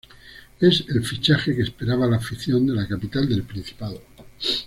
Es el fichaje que esperaba la afición de la capital del Principado.